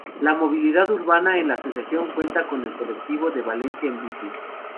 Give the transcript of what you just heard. La movilidad urbana en la asociación cuenta con el colectivo Valencia en bici.